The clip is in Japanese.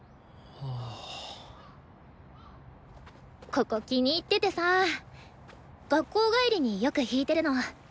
ここ気に入っててさ学校帰りによく弾いてるの。